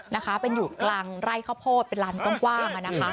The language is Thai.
นะคะเป็นอยู่กลางไร่ข้าวโพดเป็นลานกว้างอ่ะนะคะ